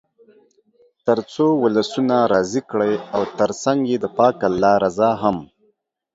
تر څو ولسونه راضي کړئ او تر څنګ یې د پاک الله رضا هم.